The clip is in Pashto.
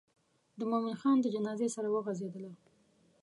د مومن خان د جنازې سره وغزېدله.